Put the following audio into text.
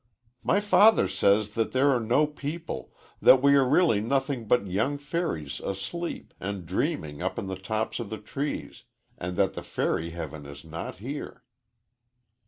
"My father says that there are no people that we are really nothing but young fairies asleep and dreaming up in the tops of the trees, and that the fairy heaven is not here."